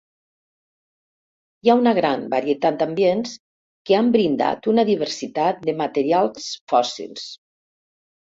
Hi ha una gran varietat d'ambients, que han brindat una diversitat de materials fòssils.